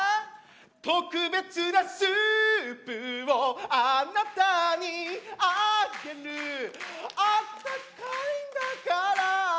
「特別なスープをあなたにあげる」「あったかいんだからぁ」